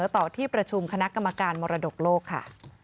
ต่อที่ประชุมคณะกรรมการมรดกโลกค่ะ